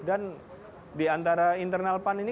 dan diantara internal pan ini